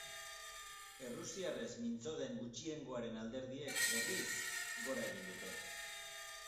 Errusiarrez mintzo den gutxiengoaren alderdiek, berriz, gora egin dute.